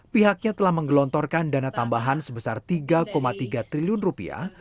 pihaknya telah menggelontorkan dana tambahan sebesar tiga tiga triliun rupiah